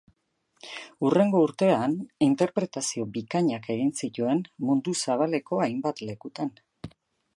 Hurrengo urtean, interpretazio bikainak egin zituen mundu zabaleko hainbat lekutan.